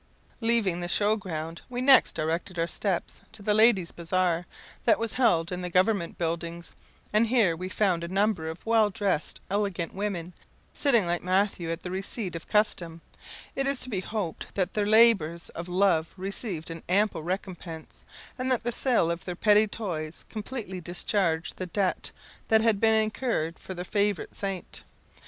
Leaving the show ground, we next directed our steps to the Ladies' Bazaar, that was held in the government buildings, and here we found a number of well dressed, elegant women, sitting like Mathew at the receipt of custom; it is to be hoped that their labours of love received an ample recompense, and that the sale of their pretty toys completely discharged the debt that had been incurred for their favourite saint.